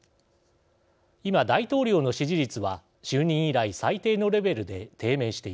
今大統領の支持率は就任以来最低のレベルで低迷しています。